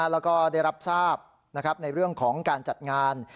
แล้วก็ได้รับทราบในเรื่องของการจัดงาน